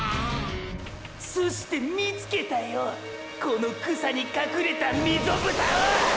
そして見つけたよこの草に隠れた溝蓋を！！